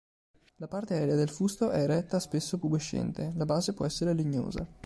La parte aerea del fusto è eretta spesso pubescente; la base può essere legnosa.